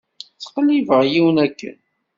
Ttqellibeɣ yiwen akken.